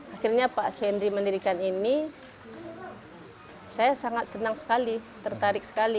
akhirnya pak swendri mendirikan ini saya sangat senang sekali tertarik sekali